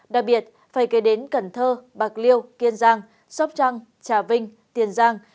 đặc biệt phải kể đến cần thơ bạc liêu kiên giang sóc trăng trà vinh tiền giang